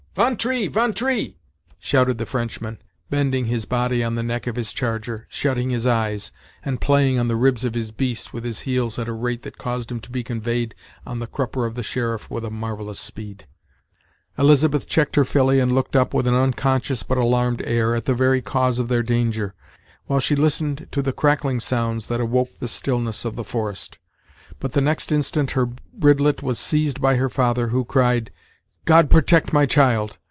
"Von tree! von tree!" shouted the Frenchman, bending his body on the neck of his charger, shutting his eyes, and playing on the ribs of his beast with his heels at a rate that caused him to be conveyed on the crupper of the sheriff with a marvellous speed. Elizabeth checked her filly and looked up, with an unconscious but alarmed air, at the very cause of their danger, while she listened to the crackling sounds that awoke the stillness of the forest; but the next instant her bridlet was seized by her father, who cried, "God protect my child!"